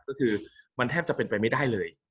ก็คือมันแทบจะเป็นไปไม่ได้เลย